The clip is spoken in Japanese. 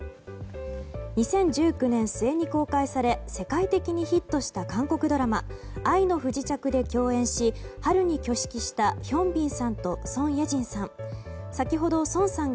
２０１９年末に公開され世界的にヒットした韓国ドラマ「愛の不時着」で共演し春に挙式したヒョンビンさんとソン・イェジンさん。